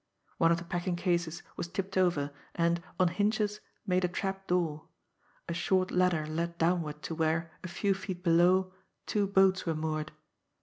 One of the packing cases was tipped over, and, on hinges, made a trap door. A short ladder led downward to where, a few feet below, two boats were moored.